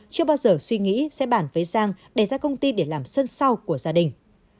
chưa bao giờ suy nghĩ sẽ bản với giang để ra công ty để làm sân sau của gia đình